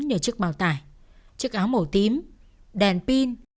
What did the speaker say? như chiếc bào tải chiếc áo màu tím đèn pin